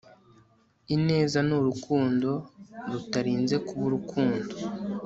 ineza ni urukundo rutarinze kuba urukundo